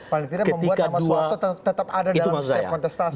paling tidak membuat nama soeharto tetap ada dalam setiap kontestasi